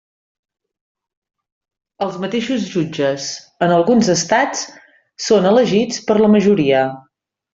Els mateixos jutges, en alguns estats, són elegits per la majoria.